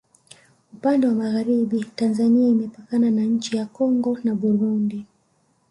upande wa magharibi tanzania imepakana na nchi ya kongo na burundi